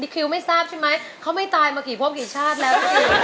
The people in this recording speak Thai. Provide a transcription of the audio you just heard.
คิวไม่ทราบใช่ไหมเขาไม่ตายมากี่พบกี่ชาติแล้วจริง